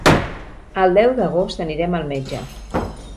El deu d'agost anirem al metge.